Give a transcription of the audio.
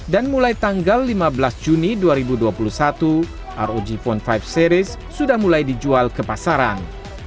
dan mulai tanggal lima belas juni dua ribu dua puluh satu rog phone lima series sudah mulai dijual ke pasaran